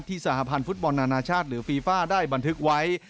สหพันธ์ฟุตบอลนานาชาติหรือฟีฟ่าได้บันทึกไว้